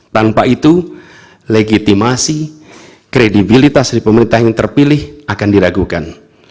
tanpa itu legitimasi kredibilitas dari pemerintah yang terpilih akan diragukan